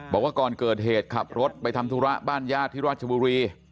บอกว่าก่อนเกิดเหตุขับรถไปทำธุระบ้านญาติที่ราชบุรี